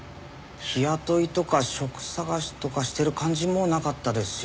日雇いとか職探しとかしてる感じもなかったですし。